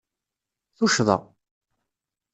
Tuccḍa!